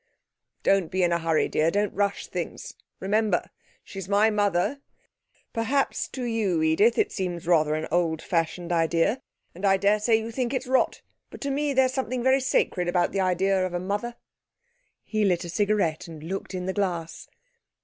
'Don't be in a hurry, dear. Don't rush things; remember... she's my mother. Perhaps to you, Edith, it seems a rather old fashioned idea, and I daresay you think it's rot, but to me there's something very sacred about the idea of a mother.' He lit a cigarette and looked in the glass.